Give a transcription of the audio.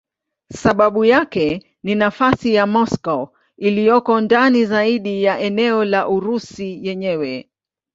Sababu yake ni nafasi ya Moscow iliyoko ndani zaidi ya eneo la Urusi yenyewe.